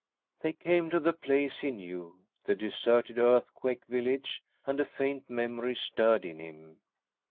They came to the place he knew the deserted earthquake village and a faint memory stirred in him.